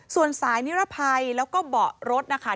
ส่วนสายนิรภัยแล้วก็เบาะรถนะคะ